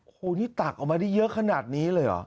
โอ้โหนี่ตักออกมาได้เยอะขนาดนี้เลยเหรอ